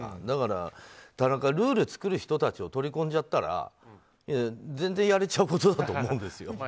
だから、田中、ルールを作る人たちを取り込んじゃったら全然やれちゃうことだと思うんですよ。